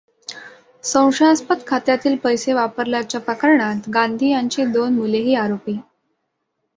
संशयास्पद खात्यातील पैसे वापरल्याच्या प्रकरणात गांधी यांची दोन मुलेही आरोपी.